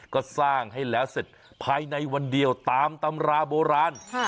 ก็สร้างให้แล้วเสร็จภายในวันเดียวตามตำราโบราณ